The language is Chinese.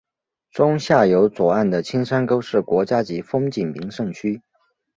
中下游左岸的青山沟是国家级风景名胜区。